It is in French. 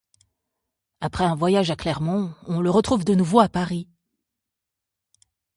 Après un voyage à Clermont, on le retrouve de nouveau à Paris.